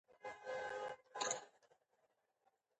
زما ژېره بوخار کوی